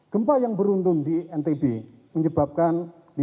gempa yang beruntun di ntb menyebabkan